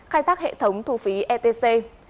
khai tác hệ thống thu phí etc